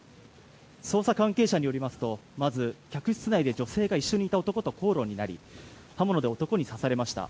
捜査関係者によりますとまず、客室内で女性が一緒にいた男と口論になり刃物で男に刺されました。